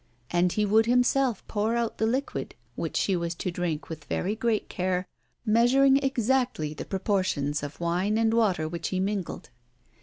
And he would himself pour out the liquid which she was to drink with very great care, measuring exactly the proportions of wine and water which he mingled.